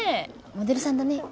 モデルさんだね。